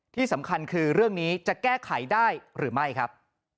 ที่สำคัญคือเรื่องนี้จะแก้ไขได้หรือไม่ครับ